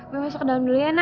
gue masuk ke dalem dulu ya nat